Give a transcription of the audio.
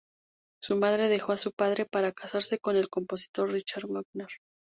Su madre dejó a su padre para casarse con el compositor Richard Wagner.